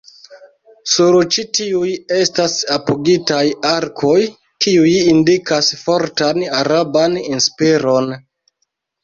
Sur ĉi tiuj estas apogitaj arkoj kiuj indikas fortan araban inspiron.